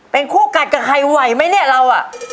เป็นคู่กัดกับใครไหวไหมเนี่ยเราอ่ะ